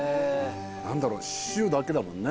何だろう塩だけだもんね。